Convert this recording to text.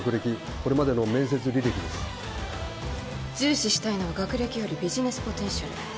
これまでの面接履歴です重視したいのは学歴よりビジネスポテンシャル